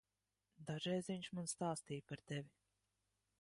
Dažreiz viņš man stāstīja par tevi.